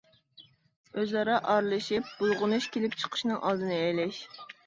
ئۆزئارا ئارىلىشىپ، بۇلغىنىش كېلىپ چىقىشنىڭ ئالدىنى ئېلىش.